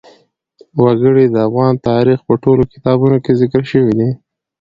وګړي د افغان تاریخ په ټولو کتابونو کې ذکر شوي دي.